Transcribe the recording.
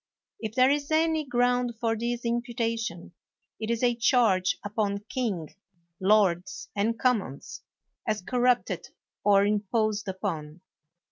If there is any ground for this imputation, it is a charge upon king, lords and commons, as corrupted or imposed upon.